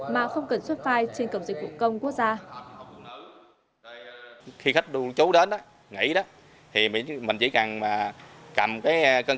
mà không cần xuất file trên kênh